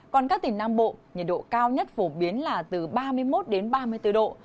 còn các tỉnh nam bộ nhiệt độ cao nhất phổ biến là từ ba mươi một đến ba mươi bốn độ